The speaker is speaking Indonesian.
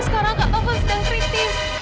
sekarang kak taufan sedang kritis